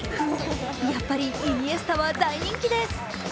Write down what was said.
やっぱりイニエスタは大人気です。